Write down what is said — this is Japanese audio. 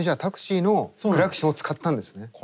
タクシーのクラクションを使ったんですね。